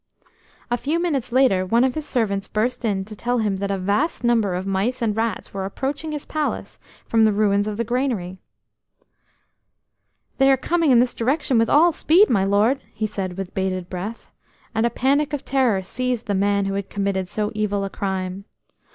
A few minutes later one of his servants burst in to tell him that a vast number of mice and rats were approaching his palace from the ruins of the granary. "They are coming in this direction with all speed, my lord!" he said with bated breath, and a panic of terror seized the man who had committed so evil a crime.